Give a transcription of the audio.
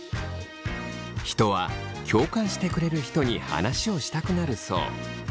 人は共感してくれる人に話をしたくなるそう。